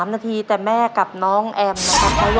๓นาทีแต่แม่กับน้องแอมนะครับ